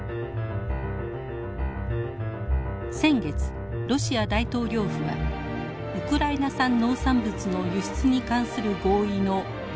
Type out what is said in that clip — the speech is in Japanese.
先月ロシア大統領府はウクライナ産農産物の輸出に関する合意の履行停止を表明。